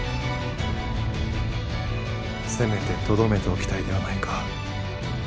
せめてとどめておきたいではないか。